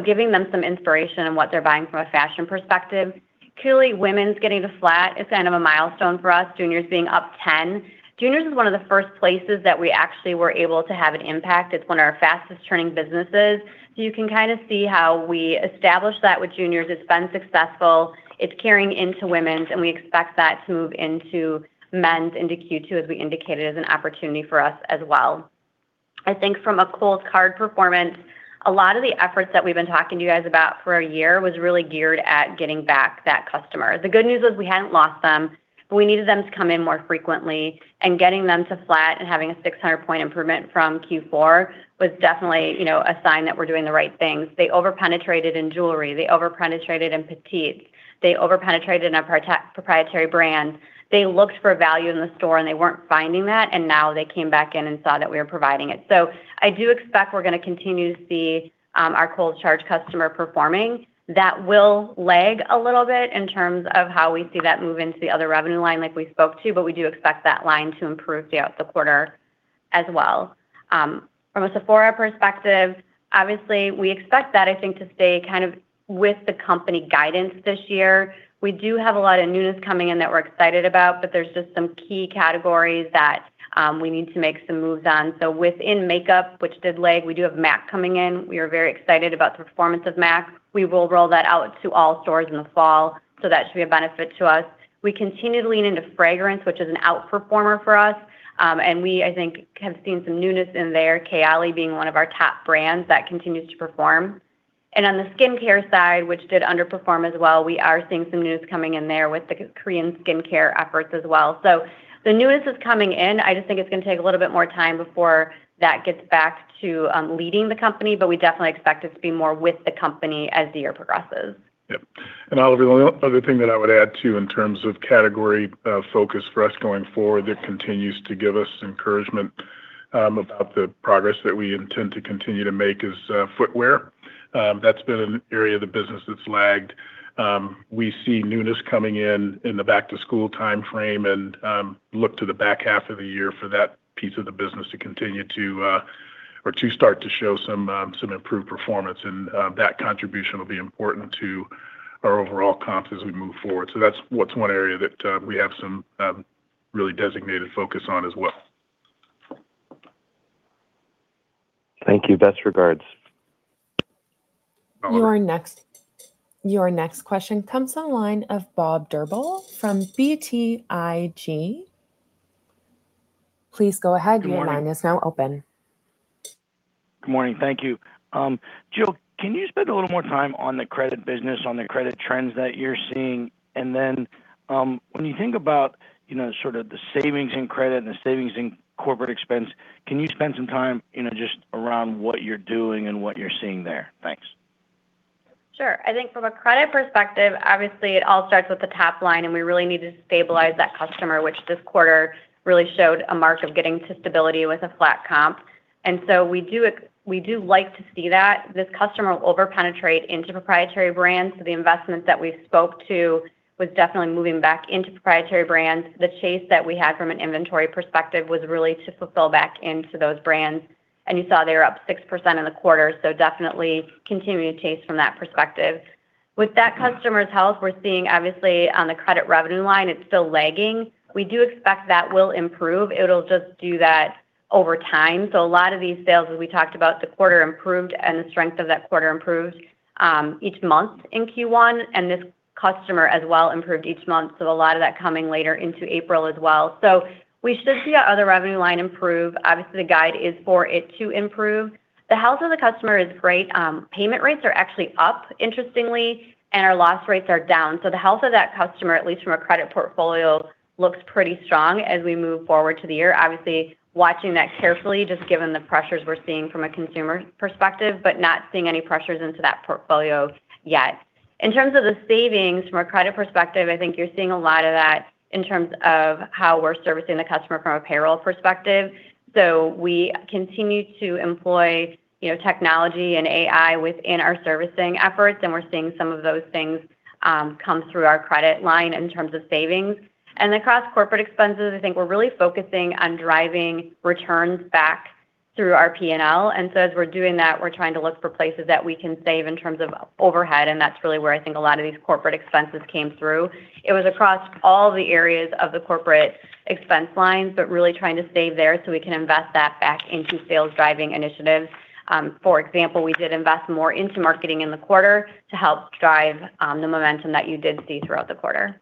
Giving them some inspiration on what they're buying from a fashion perspective. Clearly, women's getting to flat is a milestone for us, juniors being up 10. Juniors is one of the first places that we actually were able to have an impact. It's one of our fastest turning businesses. You can kind of see how we established that with juniors. It's been successful. It's carrying into women's, and we expect that to move into men's into Q2, as we indicated, as an opportunity for us as well. I think from a Kohl's Card performance, a lot of the efforts that we've been talking to you guys about for a year was really geared at getting back that customer. The good news was we hadn't lost them, but we needed them to come in more frequently, and getting them to flat and having a 600-point improvement from Q4 was definitely a sign that we're doing the right things. They over-penetrated in jewelry. They over-penetrated in petites. They over-penetrated in our proprietary brand. They looked for value in the store, and they weren't finding that, and now they came back in and saw that we were providing it. I do expect we're going to continue to see our Kohl's Card customer performing. That will lag a little bit in terms of how we see that move into the other revenue line like we spoke to, but we do expect that line to improve throughout the quarter as well. From a Sephora perspective, obviously, we expect that, I think, to stay with the company guidance this year. We do have a lot of newness coming in that we're excited about, but there's just some key categories that we need to make some moves on. Within makeup, which did lag, we do have M·A·C coming in. We are very excited about the performance of M·A·C. We will roll that out to all stores in the fall, so that should be a benefit to us. We continue to lean into fragrance, which is an outperformer for us. We, I think, have seen some newness in there, KAYALI being one of our top brands that continues to perform. On the skincare side, which did underperform as well, we are seeing some newness coming in there with the Korean skincare efforts as well. The newness is coming in. I just think it's going to take a little bit more time before that gets back to leading the company, but we definitely expect it to be more with the company as the year progresses. Yep. Oliver, the only other thing that I would add, too, in terms of category focus for us going forward that continues to give us encouragement about the progress that we intend to continue to make is footwear. That's been an area of the business that's lagged. We see newness coming in the back-to-school timeframe, and look to the back half of the year for that piece of the business to start to show some improved performance. That contribution will be important to our overall comps as we move forward. That's one area that we have some really designated focus on as well. Thank you. Best regards. Your next question comes to the line of Bob Drbul from BTIG. Please go ahead. Your line is now open. Good morning. Thank you. Jill, can you spend a little more time on the credit business, on the credit trends that you're seeing? When you think about the savings in credit and the savings in corporate expense, can you spend some time just around what you're doing and what you're seeing there? Thanks. Sure. I think from a credit perspective, obviously, it all starts with the top line, and we really need to stabilize that customer, which this quarter really showed a mark of getting to stability with a flat comp. We do like to see that. This customer will over-penetrate into proprietary brands, so the investments that we spoke to was definitely moving back into proprietary brands. The chase that we had from an inventory perspective was really to fulfill back into those brands. You saw they were up 6% in the quarter, so definitely continued chase from that perspective. With that customer's health, we're seeing, obviously, on the credit revenue line, it's still lagging. We do expect that will improve. It'll just do that over time. A lot of these sales, as we talked about, the quarter improved and the strength of that quarter improved each month in Q1, and this customer as well improved each month. A lot of that coming later into April as well. We should see our other revenue line improve. Obviously, the guide is for it to improve. The health of the customer is great. Payment rates are actually up, interestingly, and our loss rates are down. The health of that customer, at least from a credit portfolio, looks pretty strong as we move forward through the year. Obviously, watching that carefully, just given the pressures we're seeing from a consumer perspective, but not seeing any pressures into that portfolio yet. In terms of the savings from a credit perspective, I think you're seeing a lot of that in terms of how we're servicing the customer from a payroll perspective. We continue to employ technology and AI within our servicing efforts, and we're seeing some of those things come through our credit line in terms of savings. Across corporate expenses, I think we're really focusing on driving returns back through our P&L. As we're doing that, we're trying to look for places that we can save in terms of overhead, and that's really where I think a lot of these corporate expenses came through. It was across all the areas of the corporate expense lines, but really trying to save there so we can invest that back into sales-driving initiatives. For example, we did invest more into marketing in the quarter to help drive the momentum that you did see throughout the quarter.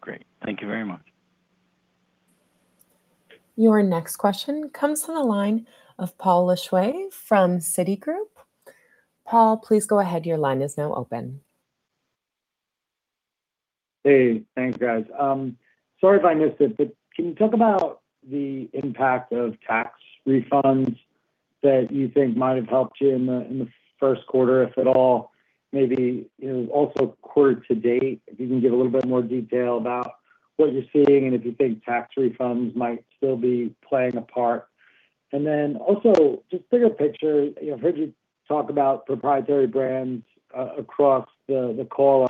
Great. Thank you very much. Your next question comes from the line of Paul Lejuez from Citi. Paul, please go ahead. Your line is now open. Hey. Thanks, guys. Sorry if I missed it, but can you talk about the impact of tax refunds that you think might have helped you in the Q1, if at all? Maybe also quarter to date, if you can give a little bit more detail about what you're seeing and if you think tax refunds might still be playing a part. Then also, just bigger picture, I've heard you talk about proprietary brands across the call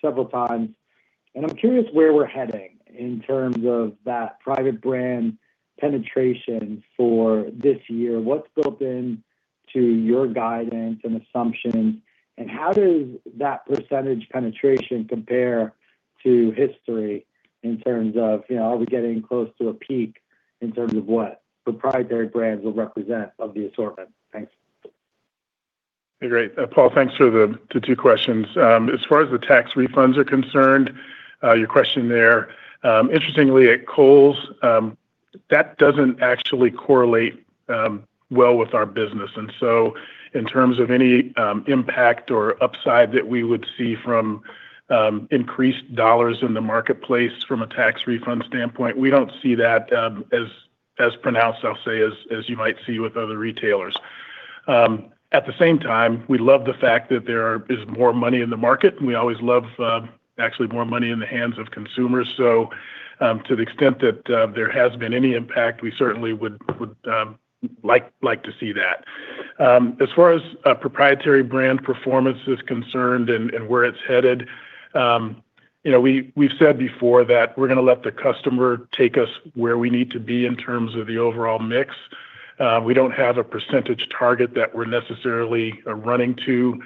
several times. I'm curious where we're heading in terms of that private brand penetration for this year. What's built into your guidance and assumptions, and how does that percentage penetration compare to history in terms of, are we getting close to a peak in terms of what the proprietary brands will represent of the assortment? Thanks. Great. Paul, thanks for the two questions. As far as the tax refunds are concerned, your question there, interestingly at Kohl's, that doesn't actually correlate well with our business. In terms of any impact or upside that we would see from increased dollars in the marketplace from a tax refund standpoint, we don't see that as pronounced, I'll say, as you might see with other retailers. At the same time, we love the fact that there is more money in the market, and we always love actually more money in the hands of consumers. To the extent that there has been any impact, we certainly would like to see that. As far as proprietary brand performance is concerned and where it's headed, we've said before that we're going to let the customer take us where we need to be in terms of the overall mix. We don't have a percentage target that we're necessarily running to.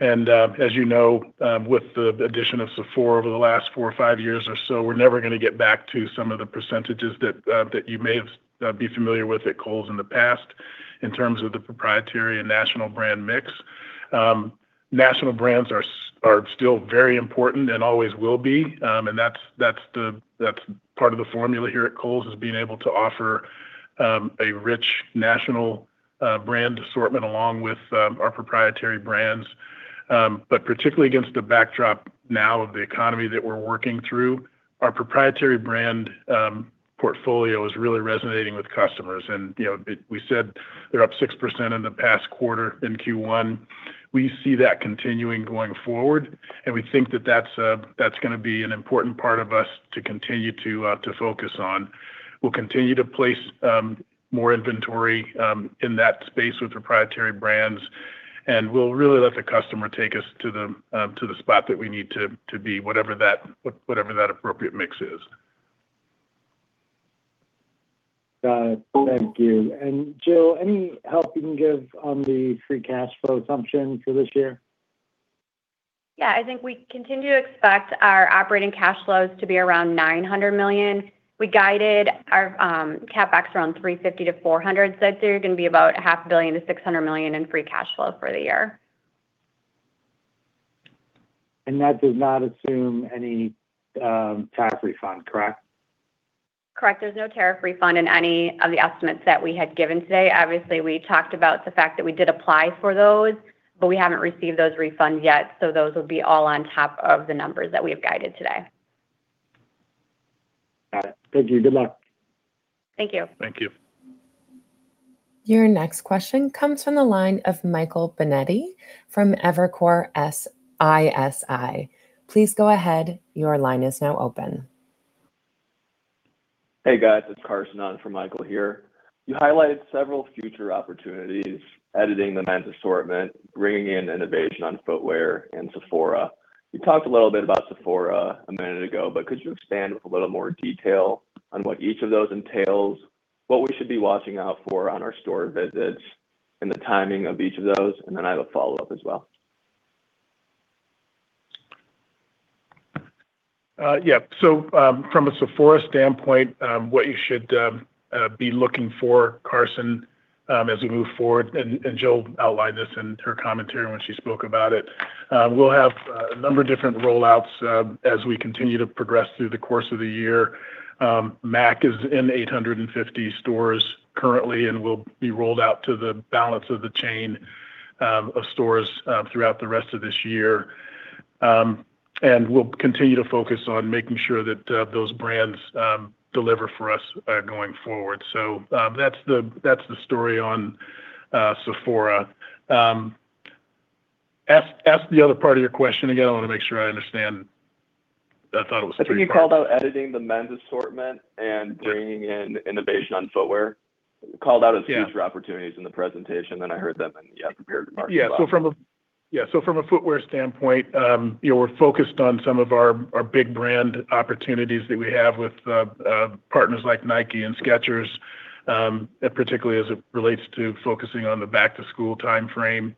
As you know, with the addition of Sephora over the last four or five years or so, we're never going to get back to some of the percentages that you may have been familiar with at Kohl's in the past in terms of the proprietary and national brand mix. National brands are still very important and always will be. That's part of the formula here at Kohl's is being able to offer a rich national brand assortment along with our proprietary brands. Particularly against the backdrop now of the economy that we're working through, our proprietary brand portfolio is really resonating with customers. We said they're up 6% in the past quarter in Q1. We see that continuing going forward. We think that that's going to be an important part of us to continue to focus on. We'll continue to place more inventory in that space with proprietary brands. We'll really let the customer take us to the spot that we need to be, whatever that appropriate mix is. Got it. Thank you. Jill, any help you can give on the free cash flow assumption for this year? Yeah, I think we continue to expect our operating cash flows to be around $900 million. We guided our CapEx around $350 million-$400 million. That's going to be about a half a billion to $600 million in free cash flow for the year. That does not assume any tax refund, correct? Correct. There's no tariff refund in any of the estimates that we had given today. Obviously, we talked about the fact that we did apply for those, but we haven't received those refunds yet. Those will be all on top of the numbers that we have guided today. Got it. Thank you. Good luck. Thank you. Thank you. Your next question comes from the line of Michael Binetti from Evercore ISI. Please go ahead. Your line is now open. Hey, guys. It's Carson on for Michael here. You highlighted several future opportunities, editing the men's assortment, bringing in innovation on footwear and Sephora. You talked a little bit about Sephora a minute ago, but could you expand a little more detail on what each of those entails, what we should be watching out for on our store visits, and the timing of each of those? I have a follow-up as well. Yeah. From a Sephora standpoint, what you should be looking for, Carson, as we move forward, and Jill outlined this in her commentary when she spoke about it. We'll have a number of different rollouts as we continue to progress through the course of the year. M·A·C is in 850 stores currently and will be rolled out to the balance of the chain of stores throughout the rest of this year. We'll continue to focus on making sure that those brands deliver for us going forward. That's the story on Sephora. Ask the other part of your question again. I want to make sure I understand. I think you called out editing the men's assortment and bringing in innovation on footwear. You called out as future opportunities in the presentation, then I heard them in prepared remarks as well. From a footwear standpoint, we're focused on some of our big brand opportunities that we have with partners like Nike and Skechers, particularly as it relates to focusing on the back to school timeframe.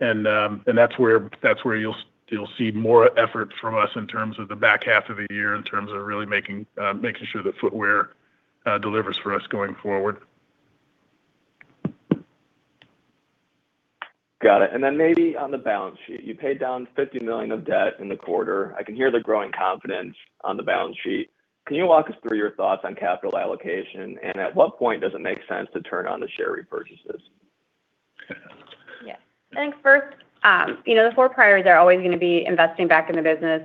That's where you'll see more effort from us in terms of the back half of the year in terms of really making sure that footwear delivers for us going forward. Got it. Maybe on the balance sheet. You paid down $50 million of debt in the quarter. I can hear the growing confidence on the balance sheet. Can you walk us through your thoughts on capital allocation, and at what point does it make sense to turn on the share repurchases? I think first, the four priorities are always going to be investing back in the business.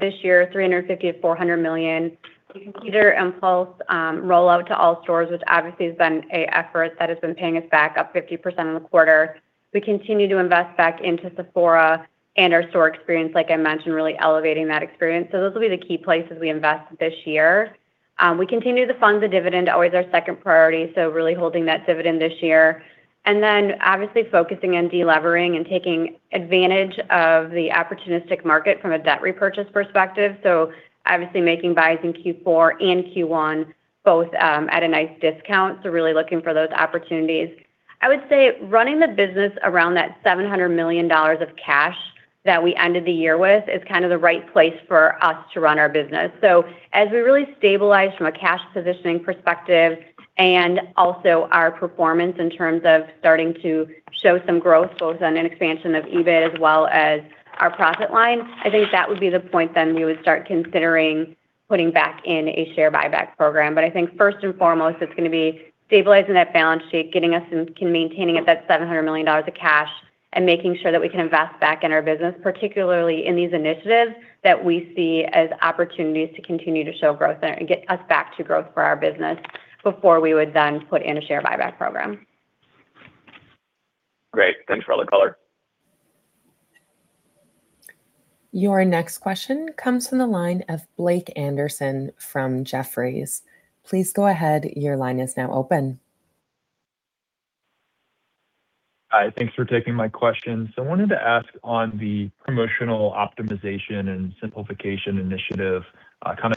This year, $350 million-$400 million. You can see the impulse rollout to all stores, which obviously has been an effort that has been paying us back up 50% in the quarter. We continue to invest back into Sephora and our store experience, like I mentioned, really elevating that experience. Those will be the key places we invest this year. We continue to fund the dividend, always our second priority, really holding that dividend this year. Obviously focusing on de-levering and taking advantage of the opportunistic market from a debt repurchase perspective. Obviously making buys in Q4 and Q1 both at a nice discount. Really looking for those opportunities. I would say running the business around that $700 million of cash that we ended the year with is the right place for us to run our business. As we really stabilize from a cash positioning perspective, and also our performance in terms of starting to show some growth, both on an expansion of EBIT as well as our profit line, I think that would be the point then we would start considering putting back in a share buyback program. I think first and foremost, it's going to be stabilizing that balance sheet, getting us and maintaining it, that $700 million of cash, and making sure that we can invest back in our business, particularly in these initiatives that we see as opportunities to continue to show growth there and get us back to growth for our business before we would then put in a share buyback program. Great. Thanks for all the color. Your next question comes from the line of Blake Anderson from Jefferies. Please go ahead. Your line is now open. Hi. Thanks for taking my question. I wanted to ask on the promotional optimization and simplification initiative,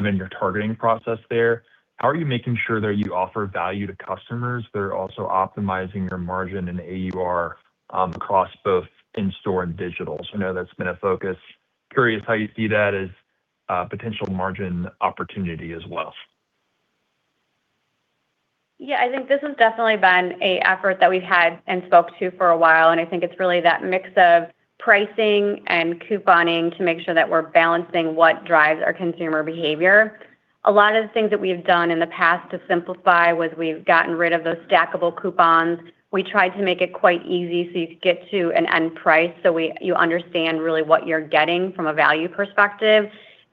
in your targeting process there, how are you making sure that you offer value to customers that are also optimizing your margin and AUR, across both in-store and digital? I know that's been a focus. Curious how you see that as a potential margin opportunity as well. I think this has definitely been an effort that we've had and spoke to for a while, and I think it's really that mix of pricing and couponing to make sure that we're balancing what drives our consumer behavior. A lot of the things that we've done in the past to simplify was we've gotten rid of those stackable coupons. We tried to make it quite easy so you could get to an end price, so you understand really what you're getting from a value perspective.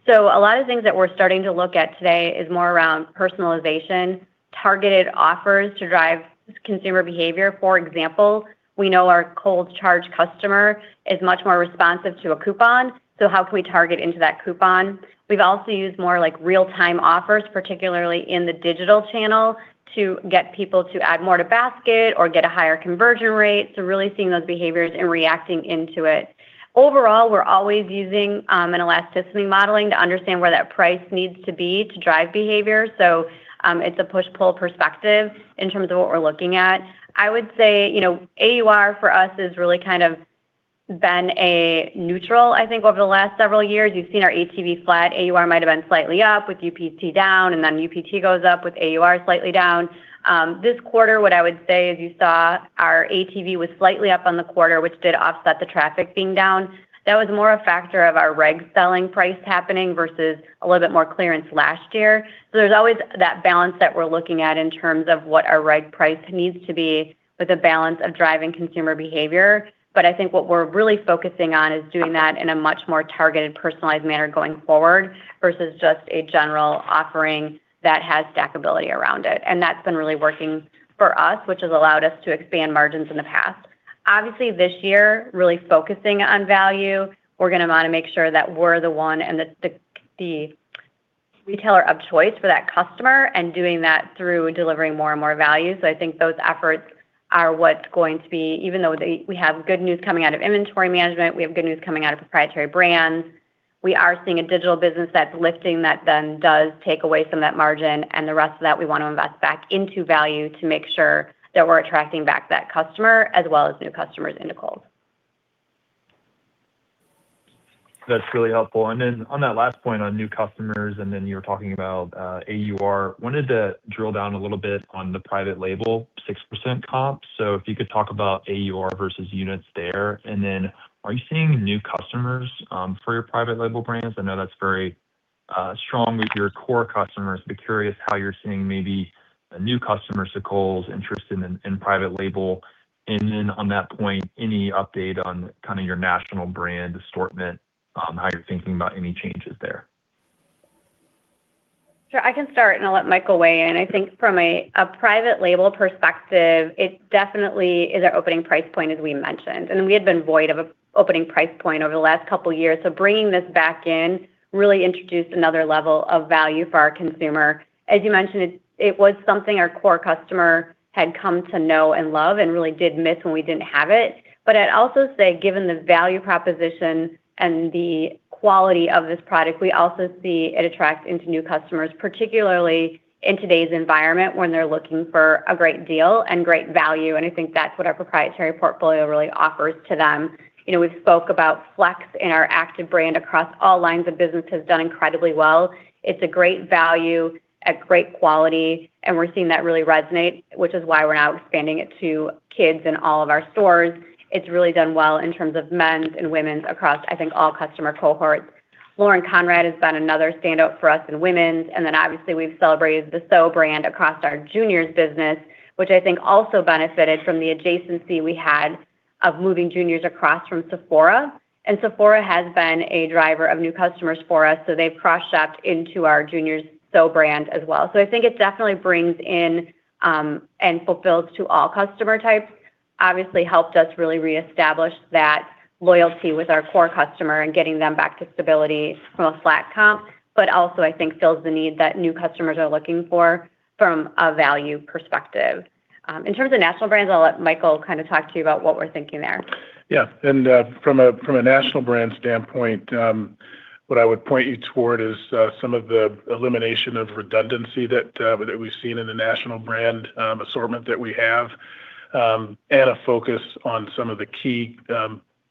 A lot of things that we're starting to look at today is more around personalization, targeted offers to drive consumer behavior. For example, we know our Kohl's Card customer is much more responsive to a coupon, so how can we target into that coupon? We've also used more real-time offers, particularly in the digital channel, to get people to add more to basket or get a higher conversion rate. Really seeing those behaviors and reacting into it. Overall, we're always using an elasticity modeling to understand where that price needs to be to drive behavior. It's a push-pull perspective in terms of what we're looking at. I would say, AUR for us has really kind of been a neutral, I think, over the last several years. You've seen our ATV flat. AUR might have been slightly up with UPT down, and then UPT goes up with AUR slightly down. This quarter, what I would say is you saw our ATV was slightly up on the quarter, which did offset the traffic being down. That was more a factor of our reg selling price happening versus a little bit more clearance last year. There's always that balance that we're looking at in terms of what our reg price needs to be with a balance of driving consumer behavior. I think what we're really focusing on is doing that in a much more targeted, personalized manner going forward versus just a general offering that has stackability around it. That's been really working for us, which has allowed us to expand margins in the past. Obviously, this year, really focusing on value. We're going to want to make sure that we're the one and the retailer of choice for that customer, and doing that through delivering more and more value. I think those efforts are what's going to be, even though we have good news coming out of inventory management, we have good news coming out of proprietary brands. We are seeing a digital business that's lifting that then does take away some of that margin. The rest of that, we want to invest back into value to make sure that we're attracting back that customer as well as new customers into Kohl's. That's really helpful. On that last point on new customers, and then you were talking about, AUR, wanted to drill down a little bit on the private label, 6% comp. So if you could talk about AUR versus units there. Are you seeing new customers, for your private label brands? I know that's very strong with your core customers, but curious how you're seeing maybe new customers to Kohl's interested in private label. On that point, any update on your national brand assortment, how you're thinking about any changes there? Sure. I can start, and I'll let Michael weigh in. I think from a private label perspective, it definitely is our opening price point, as we mentioned. We had been void of an opening price point over the last couple of years. Bringing this back in really introduced another level of value for our consumer. As you mentioned, it was something our core customer had come to know and love and really did miss when we didn't have it. I'd also say, given the value proposition and the quality of this product, we also see it attracts into new customers, particularly in today's environment when they're looking for a great deal and great value, and I think that's what our proprietary portfolio really offers to them. We've spoke about FLX and our active brand across all lines of business has done incredibly well. It's a great value at great quality, and we're seeing that really resonate, which is why we're now expanding it to kids in all of our stores. It's really done well in terms of men's and women's across, I think, all customer cohorts. Lauren Conrad has been another standout for us in women's, and then obviously, we've celebrated the SO brand across our juniors business, which I think also benefited from the adjacency we had of moving juniors across from Sephora. Sephora has been a driver of new customers for us, so they've cross-shopped into our juniors SO brand as well. I think it definitely brings in and fulfills to all customer types. Obviously helped us really reestablish that loyalty with our core customer and getting them back to stability from a flat comp, also I think fills the need that new customers are looking for from a value perspective. In terms of national brands, I'll let Michael kind of talk to you about what we're thinking there. Yeah. From a national brand standpoint, what I would point you toward is some of the elimination of redundancy that we've seen in the national brand assortment that we have, and a focus on some of the key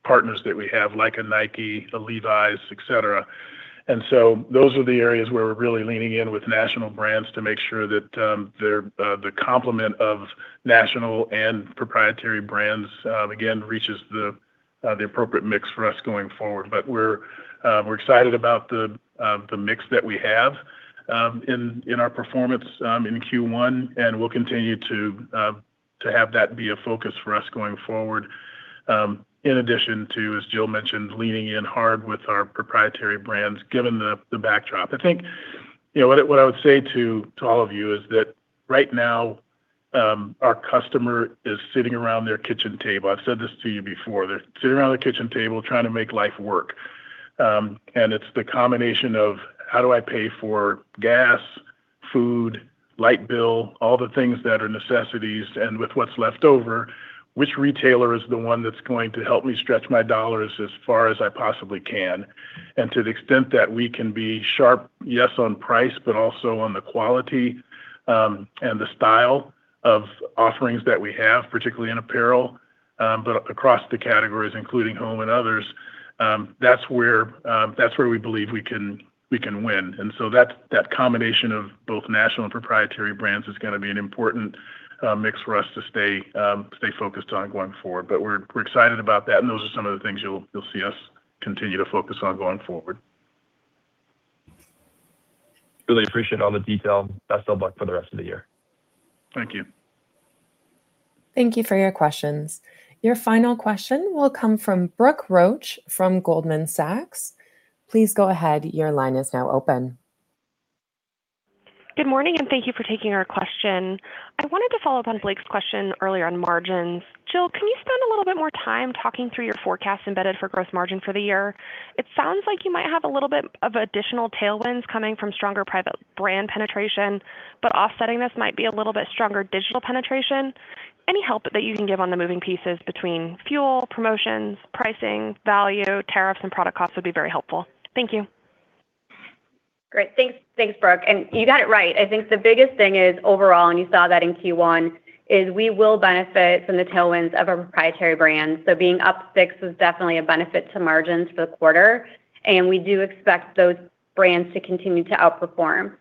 partners that we have, like a Nike, a Levi's, et cetera. Those are the areas where we're really leaning in with national brands to make sure that the complement of national and proprietary brands, again, reaches the appropriate mix for us going forward. We're excited about the mix that we have in our performance in Q1, and we'll continue to have that be a focus for us going forward. In addition to, as Jill mentioned, leaning in hard with our proprietary brands, given the backdrop. I think what I would say to all of you is that right now, our customer is sitting around their kitchen table. I've said this to you before. They're sitting around their kitchen table trying to make life work. It's the combination of how do I pay for gas, food, light bill, all the things that are necessities, and with what's left over, which retailer is the one that's going to help me stretch my dollars as far as I possibly can? To the extent that we can be sharp, yes, on price, but also on the quality and the style of offerings that we have, particularly in apparel, but across the categories, including home and others, that's where we believe we can win. That combination of both national and proprietary brands is going to be an important mix for us to stay focused on going forward. We're excited about that, and those are some of the things you'll see us continue to focus on going forward. Really appreciate all the detail. Best of luck for the rest of the year. Thank you. Thank you for your questions. Your final question will come from Brooke Roach from Goldman Sachs. Please go ahead. Good morning, thank you for taking our question. I wanted to follow up on Blake's question earlier on margins. Jill, can you spend a little bit more time talking through your forecast embedded for gross margin for the year? It sounds like you might have a little bit of additional tailwinds coming from stronger private brand penetration, offsetting this might be a little bit stronger digital penetration. Any help that you can give on the moving pieces between fuel, promotions, pricing, value, tariffs, and product costs would be very helpful. Thank you. Great. Thanks, Brooke. You got it right. I think the biggest thing is overall, and you saw that in Q1, is we will benefit from the tailwinds of our proprietary brand. Being up 6% was definitely a benefit to margins for the quarter, and we do expect those brands to continue to outperform.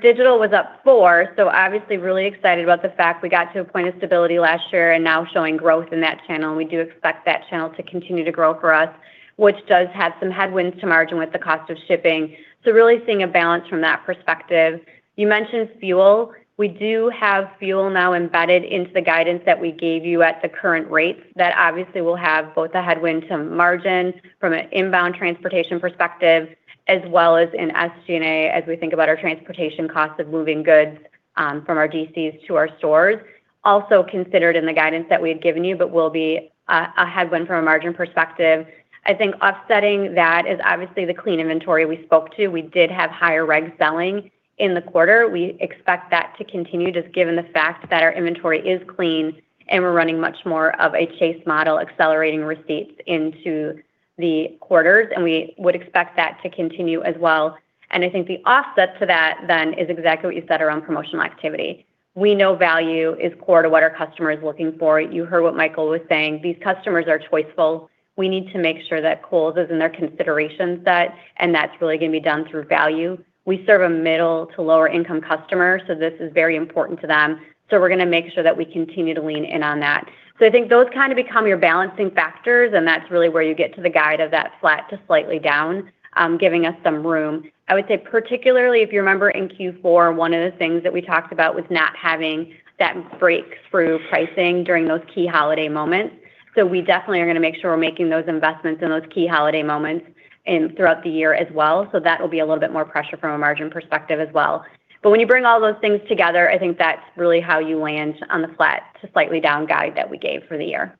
Digital was up 4%, so obviously really excited about the fact we got to a point of stability last year and now showing growth in that channel. We do expect that channel to continue to grow for us, which does have some headwinds to margin with the cost of shipping. Really seeing a balance from that perspective. You mentioned fuel. We do have fuel now embedded into the guidance that we gave you at the current rates that obviously will have both a headwind to margin from an inbound transportation perspective, as well as in SG&A, as we think about our transportation cost of moving goods from our DCs to our stores. Also considered in the guidance that we had given you, but will be a headwind from a margin perspective. I think offsetting that is obviously the clean inventory we spoke to. We did have higher reg selling in the quarter. We expect that to continue just given the fact that our inventory is clean and we're running much more of a chase model, accelerating receipts into the quarters. We would expect that to continue as well. I think the offset to that is exactly what you said around promotional activity. We know value is core to what our customer is looking for. You heard what Michael was saying. These customers are choiceful. We need to make sure that Kohl's is in their consideration set, that's really going to be done through value. We serve a middle to lower income customer, this is very important to them. We're going to make sure that we continue to lean in on that. I think those kind of become your balancing factors, that's really where you get to the guide of that flat to slightly down, giving us some room. I would say particularly if you remember in Q4, one of the things that we talked about was not having that breakthrough pricing during those key holiday moments. We definitely are going to make sure we're making those investments in those key holiday moments and throughout the year as well. That will be a little bit more pressure from a margin perspective as well. When you bring all those things together, I think that's really how you land on the flat to slightly down guide that we gave for the year.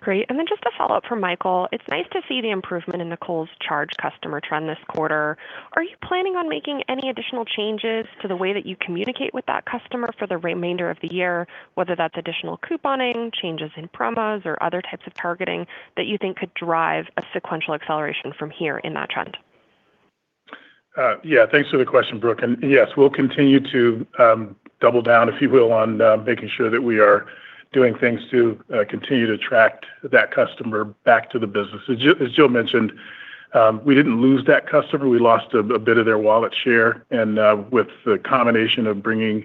Great. Just a follow-up from Michael. It's nice to see the improvement in the Kohl's Card customer trend this quarter. Are you planning on making any additional changes to the way that you communicate with that customer for the remainder of the year, whether that's additional couponing, changes in promos, or other types of targeting that you think could drive a sequential acceleration from here in that trend? Yeah. Thanks for the question, Brooke. Yes, we'll continue to double down, if you will, on making sure that we are doing things to continue to attract that customer back to the business. As Jill mentioned, we didn't lose that customer. We lost a bit of their wallet share. With the combination of bringing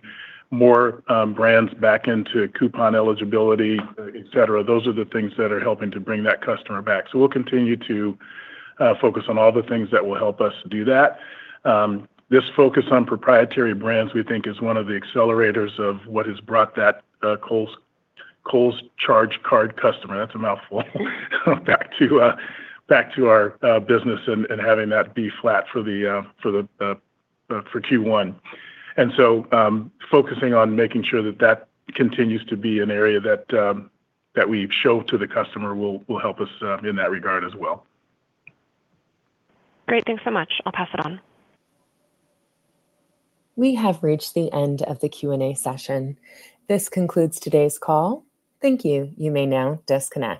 more brands back into coupon eligibility, et cetera, those are the things that are helping to bring that customer back. We'll continue to focus on all the things that will help us do that. This focus on proprietary brands, we think, is one of the accelerators of what has brought that Kohl's Card customer, that's a mouthful back to our business and having that be flat for Q1. Focusing on making sure that continues to be an area that we show to the customer will help us in that regard as well. Great. Thanks so much. I will pass it on. We have reached the end of the Q&A session. This concludes today's call. Thank you. You may now disconnect.